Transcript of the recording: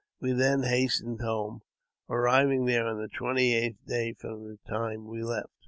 We then hastened home, arriving there on the twenty eighth day from the time we left.